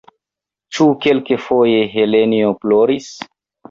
Ĉu kelkafoje Helenjo ploris?